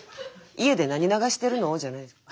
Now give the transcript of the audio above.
「家で何流してるの？」じゃないんですよ。